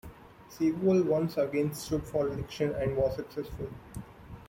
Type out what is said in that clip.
Sewell once again stood for election, and was successful.